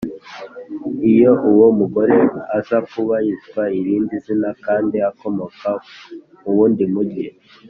Iyo uwo mugore aza kuba yitwa irindi zina kandi akomoka mu wundi mugi